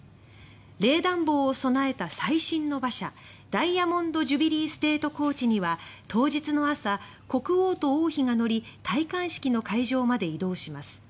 冷暖房を備えた最新の馬車ダイヤモンド・ジュビリー・ステート・コーチには当日の朝国王と王妃が乗り戴冠式の会場まで移動します。